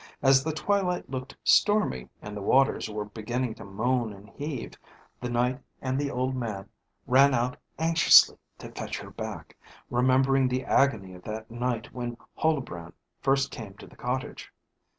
As the twilight looked stormy, and the waters were beginning to moan and heave, the Knight and the old man ran out anxiously to fetch her back, remembering the agony of that night when Huldbrand first came to the cottage.